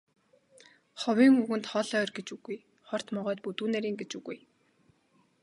Ховын үгэнд хол ойр гэж үгүй, хорт могойд бүдүүн нарийн гэж үгүй.